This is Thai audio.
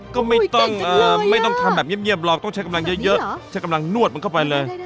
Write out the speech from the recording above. ก็ไม่ต้องทำแบบเงียบหรอกต้องใช้กำลังเยอะใช้กำลังนวดมันเข้าไปเลย